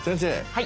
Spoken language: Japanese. はい。